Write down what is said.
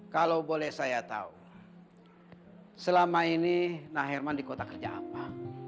kalau boleh saya tahu selama ini nah herman di kota kerja apa